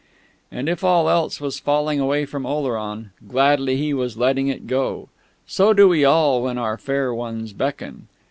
And if all else was falling away from Oleron, gladly he was letting it go. So do we all when our Fair Ones beckon.